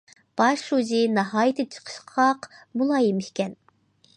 باش شۇجى ناھايىتى چىقىشقاق، مۇلايىم ئىكەن.